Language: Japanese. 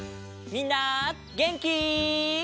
みんなげんき？